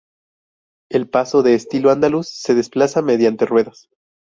El paso, de estilo andaluz, se desplaza mediante ruedas.